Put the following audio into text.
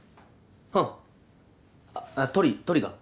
うん。あっトリトリが。